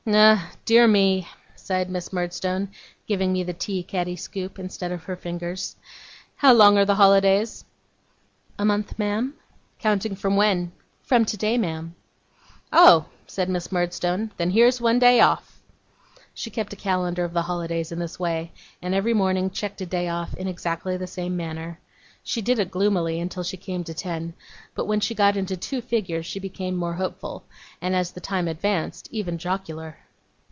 'Ah, dear me!' sighed Miss Murdstone, giving me the tea caddy scoop instead of her fingers. 'How long are the holidays?' 'A month, ma'am.' 'Counting from when?' 'From today, ma'am.' 'Oh!' said Miss Murdstone. 'Then here's one day off.' She kept a calendar of the holidays in this way, and every morning checked a day off in exactly the same manner. She did it gloomily until she came to ten, but when she got into two figures she became more hopeful, and, as the time advanced, even jocular.